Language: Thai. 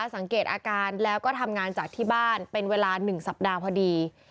สังเกตอาการแล้วก็ทำงานจากที่บ้านเป็นเวลา๑สัปดาห์พอดี